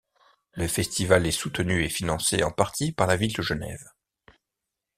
Le festival est soutenu et financé en partie par la ville de Genève.